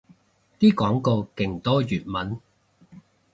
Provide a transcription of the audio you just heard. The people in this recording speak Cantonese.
啲廣告勁多粵文